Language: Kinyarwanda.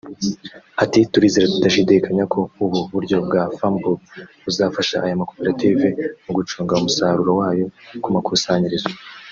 Ati” Turizera tudashidikanya ko ubu buryo bwa ‘Farmbook’ buzafasha aya makoperative mu gucunga umusaruro wayo ku makusanyirizo